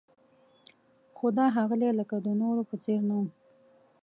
خو دا ښاغلی لکه د نورو په څېر نه و.